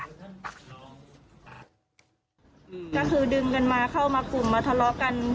ก็คือดึงกันมาเข้ามากลุ่มมาทะเลาะกัน